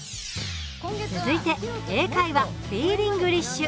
続いて「英会話フィーリングリッシュ」。